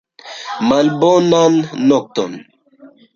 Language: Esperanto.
Malbonan nokton!